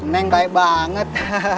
neng baik banget